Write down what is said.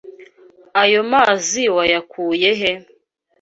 Ayo mazi wayakuye he?